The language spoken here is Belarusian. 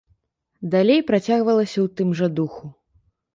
Далей працягвалася ў тым жа духу.